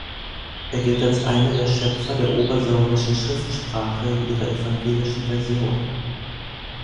Er gilt als einer der Schöpfer der obersorbischen Schriftsprache in ihrer evangelischen Version.